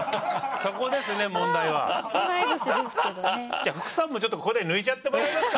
じゃ福さんもちょっとここで抜いちゃってもらえますか。